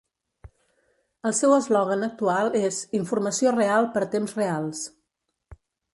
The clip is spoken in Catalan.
El seu eslògan actual és "Informació real per temps reals".